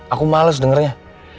aku males dengernya